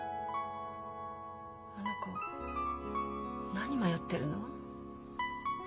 あの子何迷ってるの？